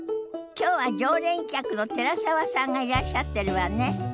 きょうは常連客の寺澤さんがいらっしゃってるわね。